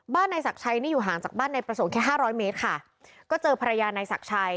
นายศักดิ์ชัยนี่อยู่ห่างจากบ้านนายประสงค์แค่ห้าร้อยเมตรค่ะก็เจอภรรยานายศักดิ์ชัย